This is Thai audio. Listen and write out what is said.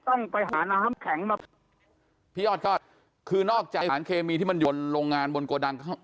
ต้องไปหาน้ำแข็งมาพี่ยอดก็คือนอกจากสารเคมีที่มันยนต์โรงงานบนโกดัง